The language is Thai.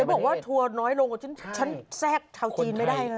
แต่นายบอกว่าทัวร์น้อยลงกว่าชั้นแซ่กชาวจีนไม่ได้เลย